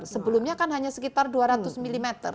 sebelumnya kan hanya sekitar dua ratus mm